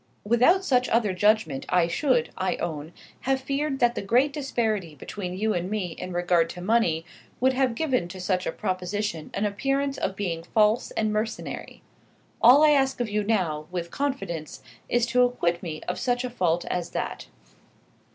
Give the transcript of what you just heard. Without such other judgment I should, I own, have feared that the great disparity between you and me in regard to money would have given to such a proposition an appearance of being false and mercenary. All I ask of you now, with confidence, is to acquit me of such fault as that.